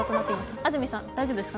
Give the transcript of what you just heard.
安住さん、大丈夫ですか？